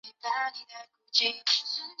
硫化是对橡胶性能进行改良的一种过程。